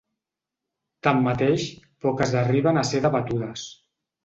Tanmateix, poques arriben a ser debatudes.